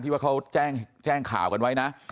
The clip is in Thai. ว่าเขาแจ้งข่าวกันไว้นะ